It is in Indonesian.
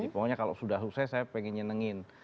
pokoknya kalau sudah sukses saya pengen nyenengin